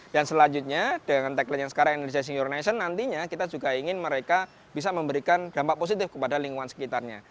dan selanjutnya dengan tagline yang sekarang energizing your nation nantinya kita juga ingin mereka bisa memberikan dampak positif kepada lingkungan sekitarnya